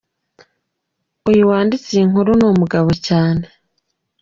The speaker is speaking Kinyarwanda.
uyu wanditse iyi nkuru numugabo cyane.